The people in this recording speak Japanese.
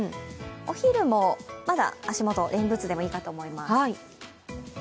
お昼もまだ足元レインブーツでいいかと思います。